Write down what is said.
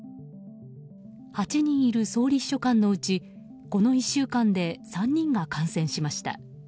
８人いる総理秘書官のうちこの１週間で３人が感染しました。